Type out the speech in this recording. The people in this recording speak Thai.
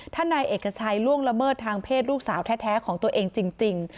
ถ้านายเอกชัยล่วงละเมิดทางเพศลูกสาวแท้ของตัวเองจริง